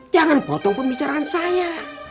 jangan potong pembicaraan saya